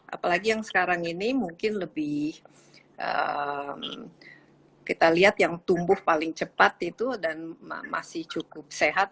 apalagi yang sekarang ini mungkin lebih kita lihat yang tumbuh paling cepat itu dan masih cukup sehat